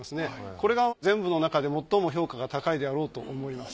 これが全部のなかで最も評価が高いであろうと思います。